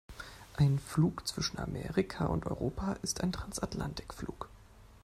Ein Flug zwischen Amerika und Europa ist ein Transatlantikflug.